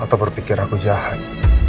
atau berpikir aku jahat